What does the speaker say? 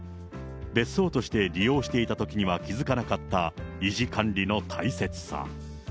別荘として利用していたときには気付かなかった維持、管理の大切さ。